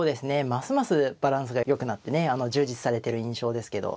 ますますバランスがよくなってねあの充実されてる印象ですけど。